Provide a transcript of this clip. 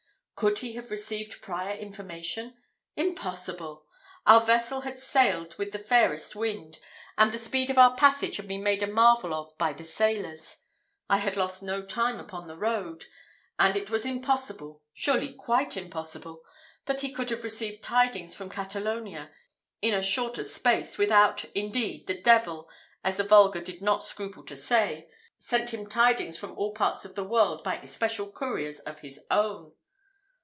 Could he have received prior information? Impossible! Our vessel had sailed with the fairest wind, and the speed of our passage had been made a marvel of by the sailors; I had lost no time upon the road, and it was impossible surely quite impossible that he could have received tidings from Catalonia in a shorter space, without, indeed, the devil, as the vulgar did not scruple to say, sent him tidings from all parts of the world by especial couriers of his own.